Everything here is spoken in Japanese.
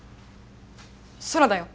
ソラだよ。